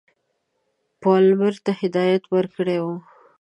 پالمر ته هدایت ورکړی وو.